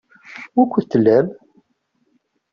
Wukud tellam?